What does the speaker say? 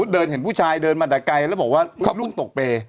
เดินเห็นผู้ชายเดินมาแต่ไกลแล้วบอกว่าล่วงตกเปรย์